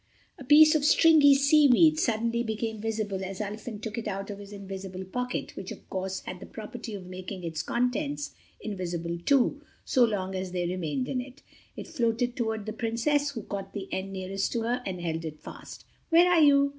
A piece of stringy seaweed suddenly became visible as Ulfin took it out of his invisible pocket, which, of course, had the property of making its contents invisible too, so long as they remained in it. It floated toward the Princess, who caught the end nearest to her and held it fast. "Where are you?"